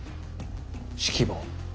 指揮棒。